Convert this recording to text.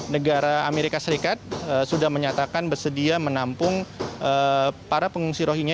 negara amerika serikat sudah menyatakan bersedia menampung para pengungsi rohingya